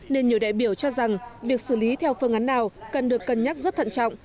nên nhiều đại biểu cho rằng việc xử lý theo phương án nào cần được cân nhắc rất thận trọng